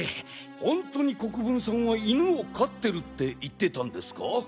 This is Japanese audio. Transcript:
ほんとに国分さんは犬を飼ってるって言ってたんですか？